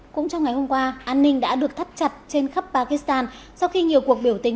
cũng trong ngày hôm qua an ninh đã được thắt chặt trên khắp pakistan sau khi nhiều cuộc biểu tình